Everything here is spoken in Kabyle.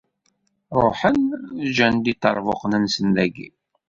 Ruḥen, ǧǧan-d iṭerbuqen-nsen dagi.